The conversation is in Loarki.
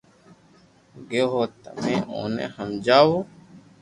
گيو ھون تمي اووني ھمجاوو